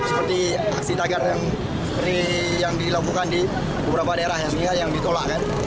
seperti aksi tagar yang dilakukan di beberapa daerah yang ditolak kan